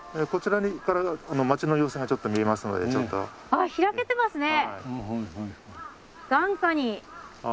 あっ開けてますね。